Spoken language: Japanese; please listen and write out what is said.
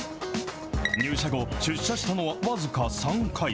入社後、出社したのは僅か３回。